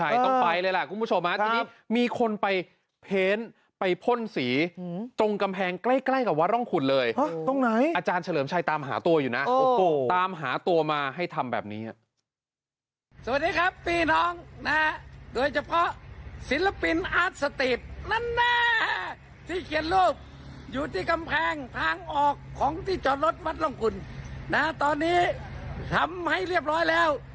อยู่ที่กำแพงทางออกของที่จอดรถวัดลงกุลนะฮะตอนนี้ทำให้เรียบร้อยแล้ว